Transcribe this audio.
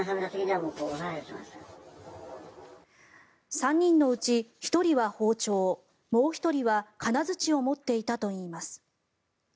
３人のうち、１人は包丁もう１人は金づちを持っていたといいます。